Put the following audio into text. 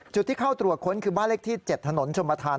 จุดที่เข้าตรวจค้นคือบ้านเลขที่๗ถนนชมธาน